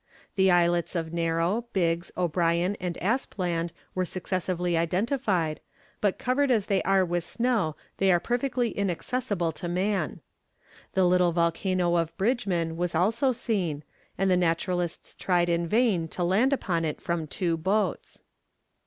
The islets of Narrow, Biggs, O'Brien, and Aspland were successively identified, but covered as they are with snow they are perfectly inaccessible to man. The little volcano of Bridgeman was also seen, and the naturalists tried in vain to land upon it from two boats.